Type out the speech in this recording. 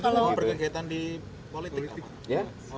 kalau berkaitan di politik apa